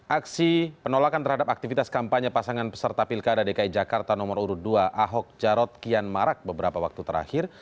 aksi penolakan terhadap aktivitas kampanye pasangan peserta pilkada dki jakarta nomor urut dua ahok jarot kian marak beberapa waktu terakhir